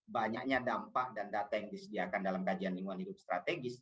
banyaknya dampak dan data yang disediakan dalam kajian lingkungan hidup strategis